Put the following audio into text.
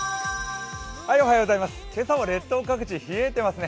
今朝は列島各地冷えていますね。